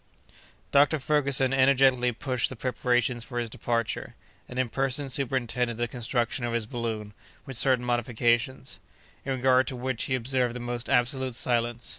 Dr. Ferguson energetically pushed the preparations for his departure, and in person superintended the construction of his balloon, with certain modifications; in regard to which he observed the most absolute silence.